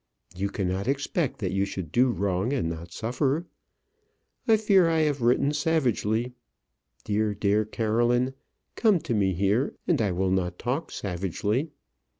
You cannot expect that you should do wrong and not suffer. I fear I have written savagely. Dear, dear Caroline, come to me here, and I will not talk savagely.